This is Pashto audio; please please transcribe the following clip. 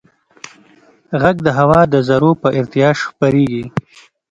غږ د هوا د ذرّو په ارتعاش خپرېږي.